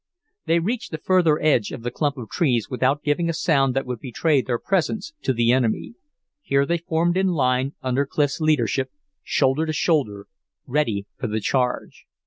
They reached the further edge of the clump of trees without giving a sound that would betray their presence to the enemy. Here they formed in line under Clif's leadership, shoulder to shoulder, ready for the charge.